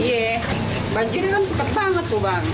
iya banjir kan sempat banget tuh bang